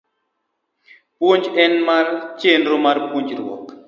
Puonj en chenro mar puonjruok